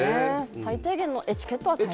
最低限のエチケットは大切に。